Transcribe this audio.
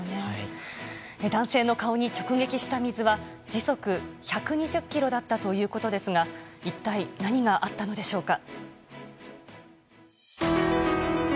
男性の顔に直撃した水は時速１２０キロだったということですが一体何があったのでしょうか。